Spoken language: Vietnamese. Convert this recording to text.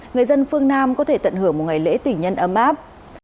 người dân phương nam có thể tận hưởng một ngày lễ tỷ nhân ấm áp